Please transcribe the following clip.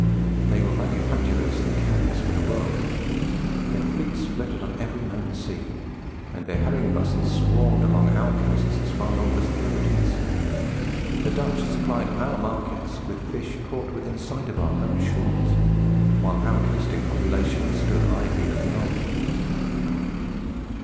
They were manufacturers and carriers for the world. Their fleets floated on every known sea; and their herring busses swarmed along our coasts as far north as the Hebrides. The Dutch supplied our markets with fish caught within sight of our own shores, while our coasting population stood idly looking on.